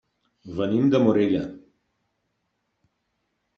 Venim de Morella.